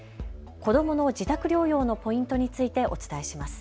子どもの自宅療養のポイントについてお伝えします。